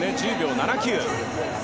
１０秒７９。